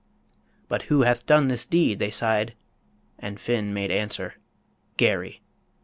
... "But who hath done this deed?" they sighed; And Finn made answer, "Garry."